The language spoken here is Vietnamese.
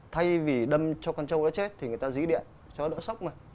thay vì đâm cho con trâu nó chết thì người ta dí điện cho nó đỡ sốc mà